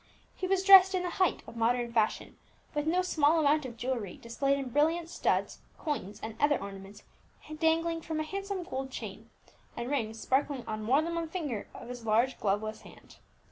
He was dressed in the height of modern fashion, with no small amount of jewellery displayed in brilliant studs, coins and other ornaments dangling from a handsome gold chain, and rings sparkling on more than one finger of his large gloveless hand.